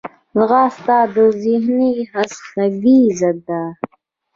ځغاسته د ذهني خستګي ضد ده